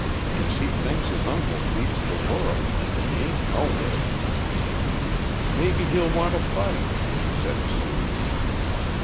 "Cos he thinks his uncle beats the world an' he ain't nowhere." "Maybe he'll want to fight," said Sue.